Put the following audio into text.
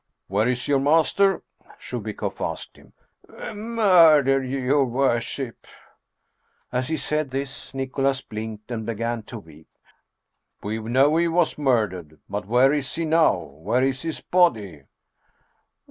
" Where is your master ?" Chubikoff asked him. " Murdered ! your worship !" As he said this, Nicholas blinked and began to weep. " We know he was murdered. But where is he now ? Where is his body?"